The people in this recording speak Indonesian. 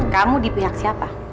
kamu di pihak siapa